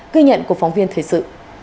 ghi nhận của phóng viên thời sự